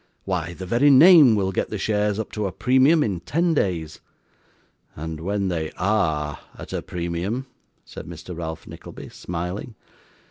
Why the very name will get the shares up to a premium in ten days.' 'And when they ARE at a premium,' said Mr. Ralph Nickleby, smiling.